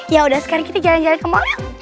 yaudah sekarang kita jalan jalan ke mall